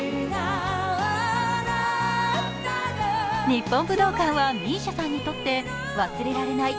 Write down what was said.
日本武道館はＭＩＳＩＡさんにとって忘れられない